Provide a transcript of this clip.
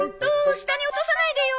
下に落とさないでよ！